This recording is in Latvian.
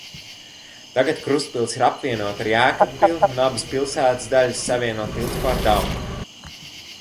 Tagad Krustpils ir apvienota ar Jēkabpili un abas pilsētas daļas savieno tilts pār Daugavu.